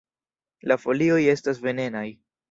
La folioj estas venenaj.